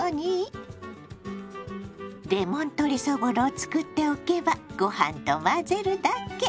レモン鶏そぼろを作っておけばご飯と混ぜるだけ！